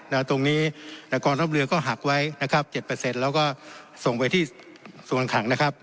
แล้วตรงนี้กองทัพเรือก็หักไว้นะครับเจ็ดเปอร์เซ็นต์แล้วก็ส่งไปที่ส่วนขังนะครับ